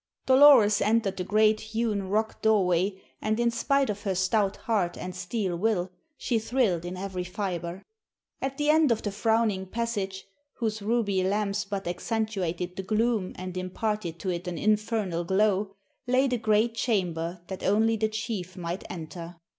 Dolores entered the great hewn rock doorway and in spite of her stout heart and steel will she thrilled in every fiber. At the end of the frowning passage, whose ruby lamps but accentuated the gloom and imparted to it an infernal glow, lay the great chamber that only the chief might enter.